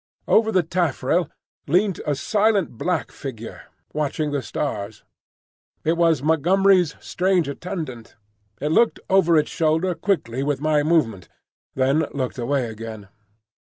Over the taffrail leant a silent black figure, watching the stars. It was Montgomery's strange attendant. It looked over its shoulder quickly with my movement, then looked away again.